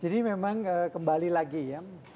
jadi memang kembali lagi ya